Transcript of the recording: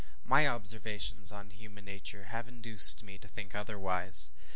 My observations on human nature have induced me to think otherwise.